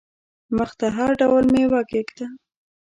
مخ ته هر ډول مېوه کښېږده !